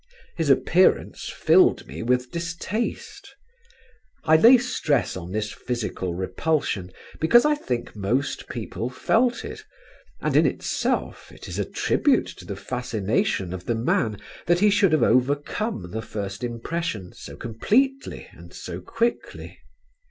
His appearance filled me with distaste. I lay stress on this physical repulsion, because I think most people felt it, and in itself, it is a tribute to the fascination of the man that he should have overcome the first impression so completely and so quickly.